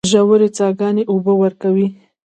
ژورې څاګانې اوبه ورکوي.